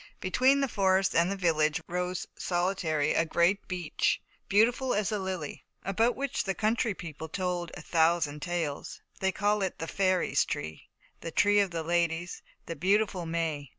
Between the forest and the village rose solitary a great beech, "beautiful as a lily," about which the country people told a thousand tales. They called it the "Fairies' Tree," the "Tree of the Ladies," the "Beautiful May."